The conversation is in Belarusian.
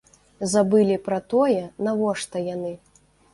Забылі пра тое, навошта яны.